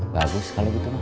bagus sekali gitu mah